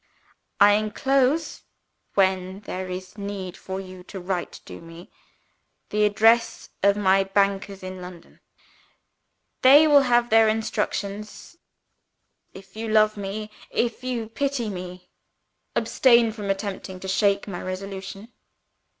"I enclose, when there is need for you to write to me, the address of my bankers in London. They will have their instructions. If you love me, if you pity me, abstain from attempting to shake my resolution.